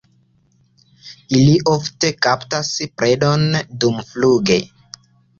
Ili ofte kaptas predon dumfluge.